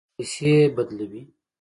پیسې بدلوئ؟